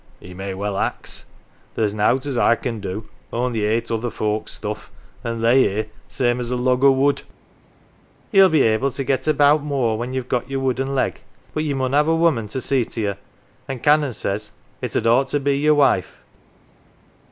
" He may well ax. There's nowt as I can do, only ate other folks 1 stuff, and lay heer same as a log o' wood." " Ye'll be able to get about more when you've got your wooden leg. But ye mun have a woman to see to ye, an 1 Canon says it had ought to be your wife